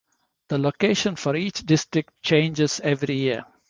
The location for each district changes every year.